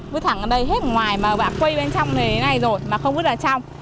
vứt thẳng ở đây hết ngoài mà quay bên trong này rồi mà không vứt ra trong